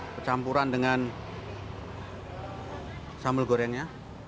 percampuran dengan sambal gorengnya